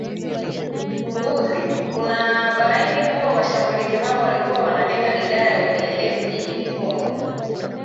nguzi unabaini kuwa washabulizi hao walikuwa wanalenga idara ya upelelezi jijini humo